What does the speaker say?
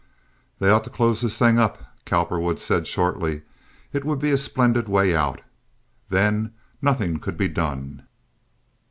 "They ought to close this thing up," Cowperwood said, shortly. "It would be a splendid way out. Then nothing could be done."